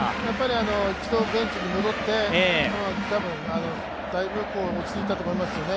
一度ベンチに戻って、だいぶ落ち着いたと思いますよね。